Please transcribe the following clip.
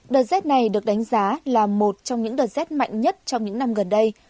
đợt rét này được đánh giá là một trong những đợt rét mạnh nhất trong những năm gần đây